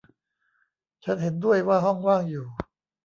ฉันเห็นด้วยว่าห้องว่างอยู่